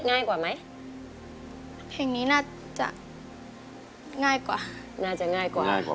ง่ายกว่าไหมเพลงนี้น่าจะง่ายกว่าน่าจะง่ายกว่า